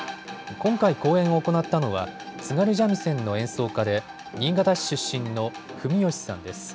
今回、公演を行ったのは津軽三味線の演奏家で新潟市出身の史佳さんです。